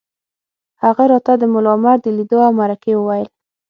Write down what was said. هغه راته د ملا عمر د لیدو او مرکې وویل